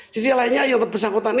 sisi lainnya yang terbesar hukum ini